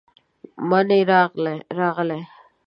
منی راغلې،